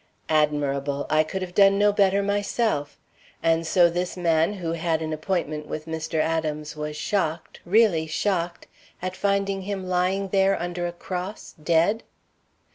"Admirable! I could have done no better myself. And so this man who had an appointment with Mr. Adams was shocked, really shocked, at finding him lying there under a cross, dead?"